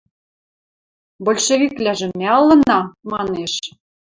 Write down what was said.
– Большевиквлӓжӹ мӓ ылына, – манеш.